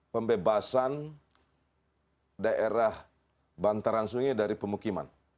pembebasan daerah bantaran sungai dari pemukiman